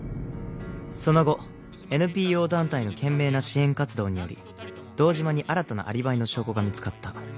その後ＮＰＯ団体の懸命な支援活動により堂島に新たなアリバイの証拠が見つかった。